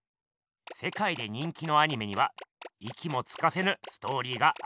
せかいで人気のアニメにはいきもつかせぬストーリーがありますよね。